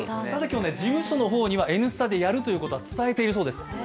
事務所の方には今日「Ｎスタ」でやるということは伝えているそうです。